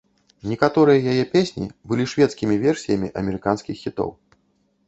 Некаторыя яе песні былі шведскімі версіямі амерыканскіх хітоў.